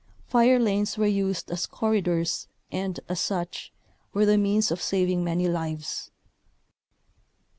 Fire lanes were used as corridors and, as such, were the means of saving many lives.